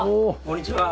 こんにちは。